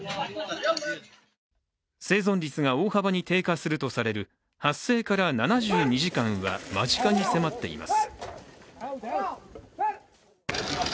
生存率が大幅に低下するとされる発生から７２時間は間近に迫っています。